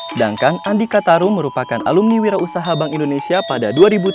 sedangkan andika tarum merupakan alumni wirausaha bank indonesia pada dua ribu tiga belas